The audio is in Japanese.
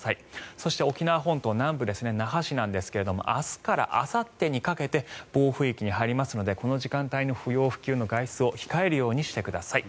そして、沖縄本島南部那覇市なんですが明日からあさってにかけて暴風域に入りますのでこの時間帯の不要不急の外出を控えるようにしてください。